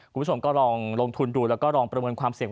คุณผู้ชมก็ลองลงทุนดูแล้วก็ลองประเมินความเสี่ยง